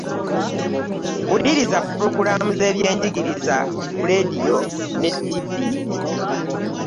Wuliriza pulogulaamu z'ebyenjigiriza ku leediyo ne ttivi.